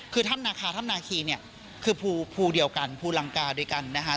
คือถ้ำนาคาถ้ำนาคีเนี่ยคือภูเดียวกันภูลังกาด้วยกันนะคะ